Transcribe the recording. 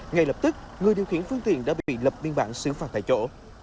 ngay lập tức người điều khiển phương tiện đã bị lập biên bản xử phạt tại chỗ